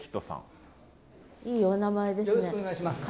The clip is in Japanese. いいお名前ですね。